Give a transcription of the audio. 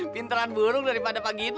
pinteran burung daripada pak gino